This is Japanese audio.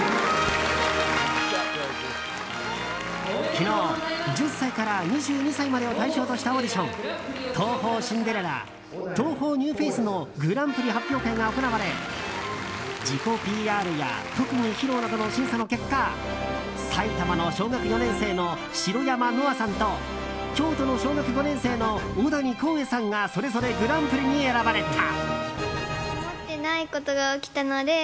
昨日、１０歳から２２歳までを対象としたオーディション東宝シンデレラＴＯＨＯＮＥＷＦＡＣＥのグランプリ発表会が行われ自己ＰＲや特技披露などの審査の結果埼玉の小学４年生の白山乃愛さんと京都の小学５年生の小谷興会さんがそれぞれグランプリに選ばれた。